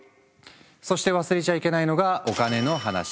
そして忘れちゃいけないのがお金の話。